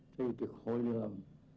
thì khối lượng